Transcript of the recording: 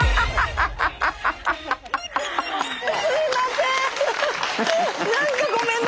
すいません！